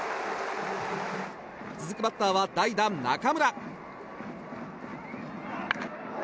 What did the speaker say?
続くバッターは代打、中村。